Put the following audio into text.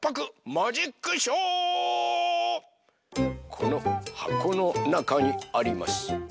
このはこのなかにあります